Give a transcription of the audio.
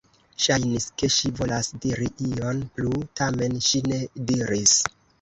Ŝajnis, ke ŝi volas diri ion plu, tamen ŝi ne diris.